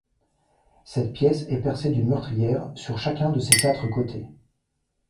Cette pièce est percée d'une meurtrière sur chacun de ses quatre côtés.